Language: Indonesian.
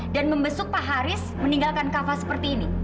dan membesuk pak haris meninggalkan kava seperti ini